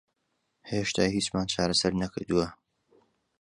هێشتا هیچمان چارەسەر نەکردووە.